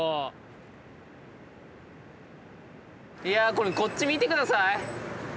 いやこれこっち見て下さい。